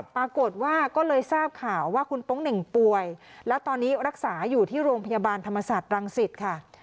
ปรากฏว่าก็เลยทราบข่าวว่าคุณโป๊งเหน่งป่วยแล้วตอนนี้รักษาอยู่ที่โรงพยาบาลธรรมศาสตร์รังสิตค่ะ